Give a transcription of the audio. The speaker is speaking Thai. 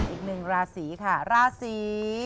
อีกหนึ่งราศีค่ะราศี